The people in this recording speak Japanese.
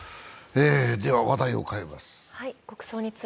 では、話題を変えます。